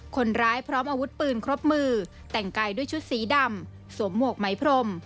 คนร้ายพร้อมอาวุธปืนครบมือแต่งกายด้วยชุดสีดำสวมหมวกไหมพรม